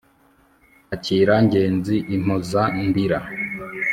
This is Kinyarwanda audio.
akira ngenzi impoza ndira